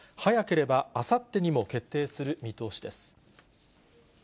早ければあさってにも決定する見通しです。